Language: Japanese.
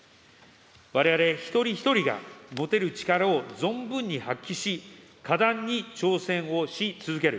われわれ一人一人が、持てる力を存分に発揮し、果断に挑戦をし続ける。